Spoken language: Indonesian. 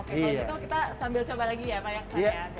oke kalau gitu kita sambil coba lagi ya pak ya